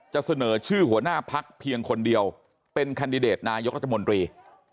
เสนอชื่อหัวหน้าพักเพียงคนเดียวเป็นแคนดิเดตนายกรัฐมนตรี